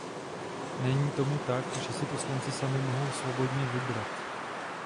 Není tomu tak, že si poslanci sami mohou svobodně vybrat.